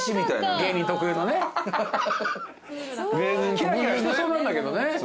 キラキラしてそうなんだけどね。